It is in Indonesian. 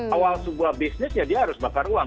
awal sebuah bisnis ya dia harus bakar uang